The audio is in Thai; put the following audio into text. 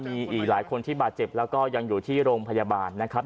มีอีกหลายคนที่บาดเจ็บแล้วก็ยังอยู่ที่โรงพยาบาลนะครับ